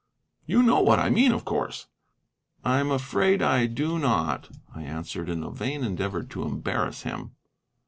You know what I mean, of course." "I am afraid I do not," I answered, in a vain endeavor to embarrass him.